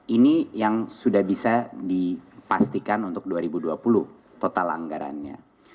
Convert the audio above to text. ini yang sudah bisa dipastikan untuk dua ribu dua puluh total anggarannya